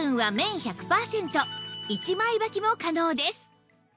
１枚ばきも可能です